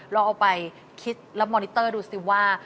ลองเอาไปคิดแล้วมอนิเตอร์ดูสิว่า